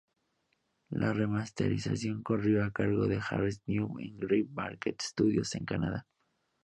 La remasterización corrió a cargo de Harris Newman en Grey Market Studios, en Canadá.